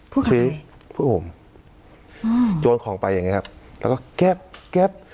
พูดกับใครพูดผมโยนของไปอย่างเงี้ยครับแล้วก็เก็บเก็บ